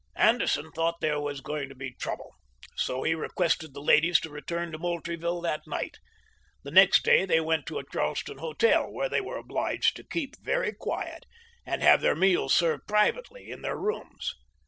Anderson thought there was going to be trouble, so he requested the ladies to return to Moultrie ville that night. The next day they went to a Charleston hotel, where they were obliged to keep very quiet and have their meals served privately in their rooms.